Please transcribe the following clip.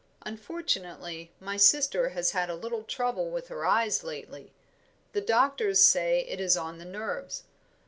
Unfortunately, my sister has had a little trouble with her eyes lately the doctors say it is on the nerves.